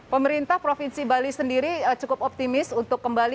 pemerintah provinsi bali sendiri cukup optimis untuk kembali